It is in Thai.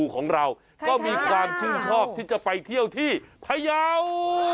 ก็ไปเที่ยวที่พยาว